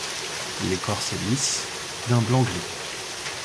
L'écorce est lisse, d'un blanc gris.